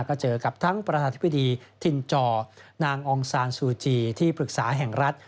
ก็เจอกับทั้งประธานธิบดีทินจอนางองซานซูจีที่ปรึกษาแห่งรัฐ